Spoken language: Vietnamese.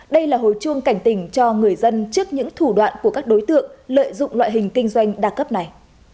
đây là hồi chuông cảnh tỉnh cho người dân trước những thủ đoạn của các đối tượng lợi dụng loại hình kinh doanh đa cấp này